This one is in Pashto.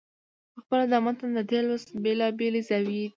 پخپله د متن د دې لوست بېلابېلې زاويې دي.